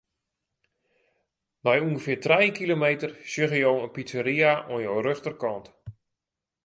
Nei ûngefear trije kilometer sjogge jo in pizzeria oan jo rjochterkant.